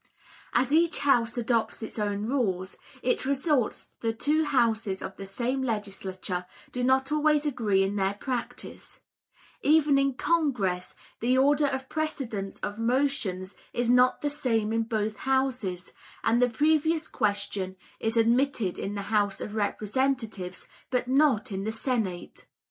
As each house adopts its own rules, it results that the two houses of the same legislature do not always agree in their practice; even in Congress the order of precedence of motions is not the same in both houses, and the Previous Question is admitted in the House of Representatives, but not in the Senate.